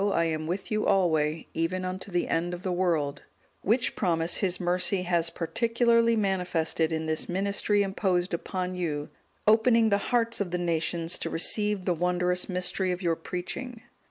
I am with you alway, even unto the end of the world';(201) which promise His mercy has particularly manifested in this ministry imposed upon you, opening the hearts of the nations to receive the wondrous mystery of your preaching.